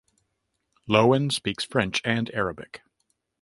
Lowen speaks French and Arabic.